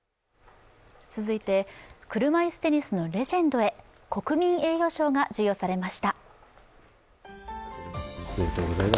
車いすテニスのレジェンドへ国民栄誉賞が授与されました。